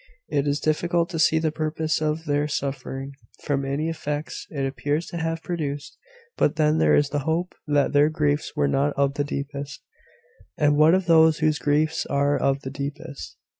It is difficult to see the purpose of their suffering, from any effects it appears to have produced: but then there is the hope that their griefs were not of the deepest." "And what of those whose griefs are of the deepest?"